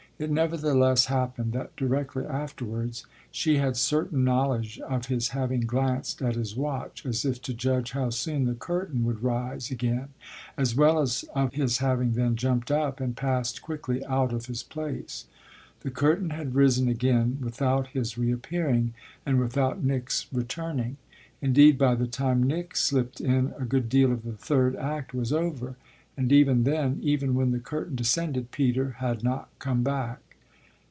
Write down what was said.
It nevertheless happened that directly afterwards she had certain knowledge of his having glanced at his watch as if to judge how soon the curtain would rise again, as well as of his having then jumped up and passed quickly out of his place. The curtain had risen again without his reappearing and without Nick's returning. Indeed by the time Nick slipped in a good deal of the third act was over; and even then, even when the curtain descended, Peter had not come back.